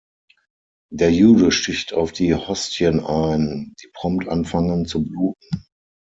Der Jude sticht auf die Hostien ein, die prompt anfangen zu bluten.